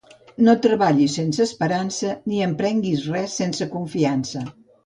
No treballis sense esperança ni emprenguis res sense confiança.